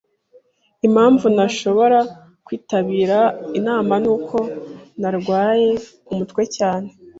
Impamvu ntashobora kwitabira inama nuko narwaye umutwe cyane.